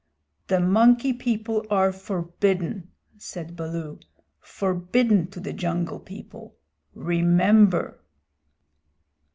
"The Monkey People are forbidden," said Baloo, "forbidden to the Jungle People. Remember."